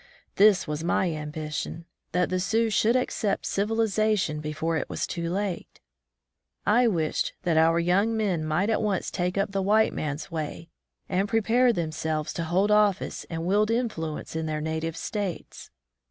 This was my ambition — that the Sioux should accept civilization before it was too late! I wished that our young men might at once take up the white man's way, and prepare themselves to hold office and wield inJBiuence in their native states.